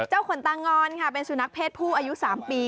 ขนตางอนค่ะเป็นสุนัขเพศผู้อายุ๓ปี